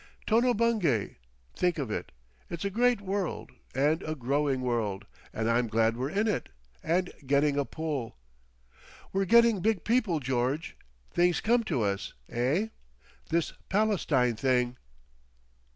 Tono Bungay. Think of it! It's a great world and a growing world, and I'm glad we're in it—and getting a pull. We're getting big people, George. Things come to us. Eh? This Palestine thing."...